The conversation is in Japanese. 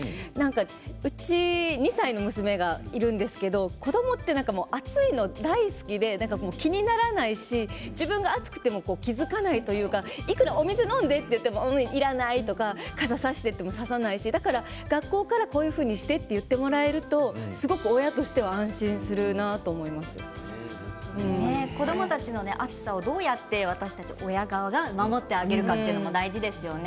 うち、２歳の娘がいるんですけど子どもって暑いの大好きで気にならないし自分が熱くても気付かないというかいくらお水を飲んでと言ってもいらないとか傘をさしてといってもささないし学校からこういうふうにしてと言ってもらえると、すごく親と子どもたちが暑さをどうやって私たち親側が守ってあげるかというのも大事ですよね。